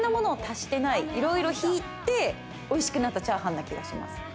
いろいろ引いておいしくなったチャーハンな気がします。